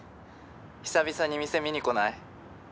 久々に店見にこない？